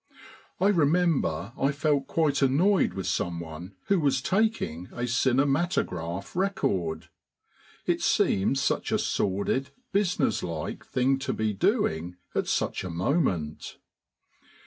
I remember I felt quite annoyed with someone who was taking a cinematograph record. It seemed such a sordid, business like thing to be doing at such a moment.